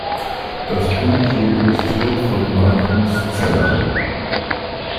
Das Buch wurde illustriert von Magnus Zeller.